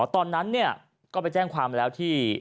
ตอนนั้นก็ไปแจ้งความแล้วที่